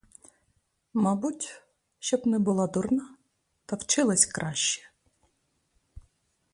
Мабуть, щоб не була дурна та вчилась краще.